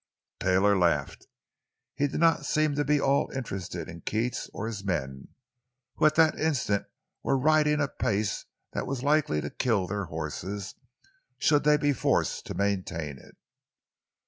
Taylor laughed; he did not seem to be at all interested in Keats or his men, who at that instant were riding at a pace that was likely to kill their horses, should they be forced to maintain it.